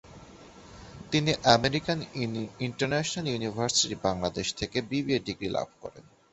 তিনি American international university, Bangladesh থেকে BBA degree লাভ করেন।